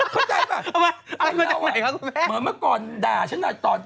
เข้าใจป่ะเราอ่ะเหมือนเมื่อเมื่อก่อนด่าฉันอ่ะตอน